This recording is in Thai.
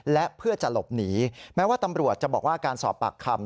และเพื่อจะหลบหนีแม้ว่าตำรวจจะบอกว่าการสอบปากคำ